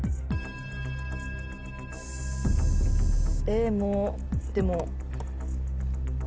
えもうでも。